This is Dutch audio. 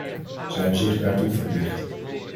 Zij hebben zich daartoe verplicht.